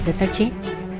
giật sát chết